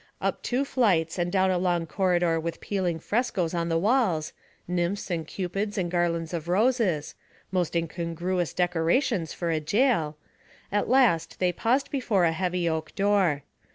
Up two flights and down a long corridor with peeling frescoes on the walls nymphs and cupids and garlands of roses; most incongruous decorations for a jail at last they paused before a heavy oak door.